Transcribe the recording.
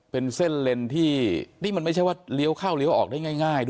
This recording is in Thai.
เป็นเส้นเลนที่นี่มันไม่ใช่ว่าเลี้ยวเข้าเลี้ยวออกได้ง่ายด้วย